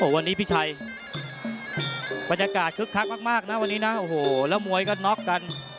วันนี้พี่ชัยบรรยากาศคึกคักมากนะวันนี้นะโอ้โหแล้วมวยก็น็อกกัน